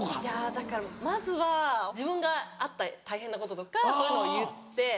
だからまずは自分があった大変なこととかを言って。